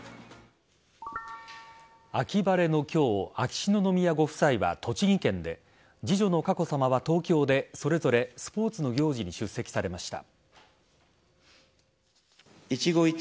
秋晴れの今日秋篠宮ご夫妻は栃木県で次女の佳子さまは東京でそれぞれスポーツの行事に出席されました。